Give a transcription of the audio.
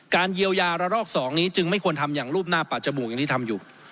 เยียวยาระลอก๒นี้จึงไม่ควรทำอย่างรูปหน้าปัจจมูกอย่างที่ทำอยู่